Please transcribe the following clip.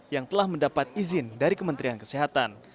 yang telah mendapat izin dari kementerian kesehatan